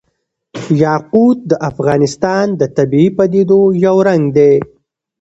یاقوت د افغانستان د طبیعي پدیدو یو رنګ دی.